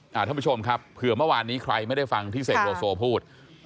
ท่านผู้ชมครับเผื่อเมื่อวานนี้ใครไม่ได้ฟังที่เสกโลโซพูด